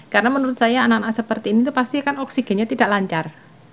karena menurut saya anak anak seperti ini pasti kan oksigennya tidak lancar